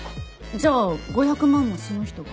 じゃあ５００万もその人が？